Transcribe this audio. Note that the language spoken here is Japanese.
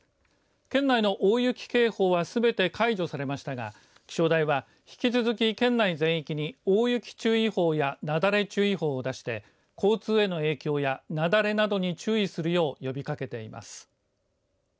県内の大雪警報はすべて解除されましたが気象台は、引き続き、県内全域に大雪注意報や雪崩注意報を出して交通への影響やなだれなどに注意するよう呼びかけています。